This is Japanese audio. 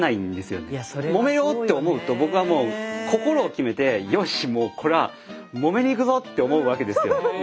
「もめよう」って思うと僕はもう心を決めて「よしもうこれはもめにいくぞ」って思うわけですよ。